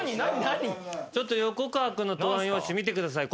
ちょっと横川君の答案用紙見てください。